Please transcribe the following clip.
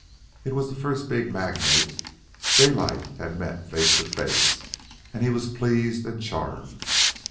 It was the first big magnate Daylight had met face to face, and he was pleased and charmed.